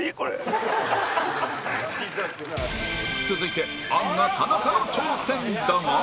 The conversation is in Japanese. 続いてアンガ田中の挑戦だが